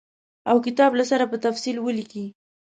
او کتاب له سره په تفصیل ولیکي.